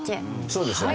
そうですよね。